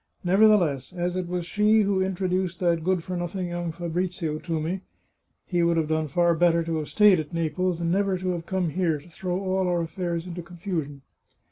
Nevertheless, as it was she who introduced that good for nothing young Fabrizio to me — he would have done far better to have stayed at Naples, and never to have come here to throw all our affairs into confusion.